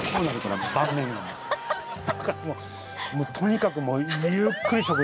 とにかく。